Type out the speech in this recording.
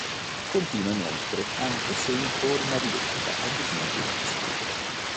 Continua inoltre, anche se in forma ridotta, a dipingere e scrivere.